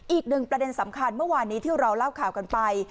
อีกหนึ่งประเด็นสำคัญเมื่อวานนี้ที่เราเล่าข่าวกันไป